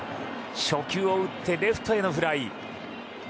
初球を打ってレフトフライ。